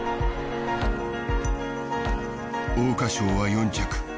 桜花賞は４着。